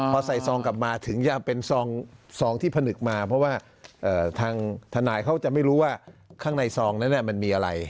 พอใส่ซองกลับมาถึงจะเป็นซองที่ผนึกมาเพราะว่าทางทนายเขาจะไม่รู้ว่าข้างในซองนั้นมันมีอะไร